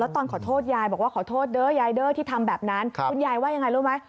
ตอนขอโทษยายบอกว่าขอโทษเด้อยายเด้อที่ทำแบบนั้นคุณยายว่ายังไงรู้ไหม